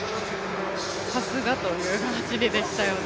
さすがという走りでしたよね。